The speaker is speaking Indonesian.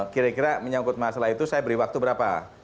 kira kira menyangkut masalah itu saya beri waktu berapa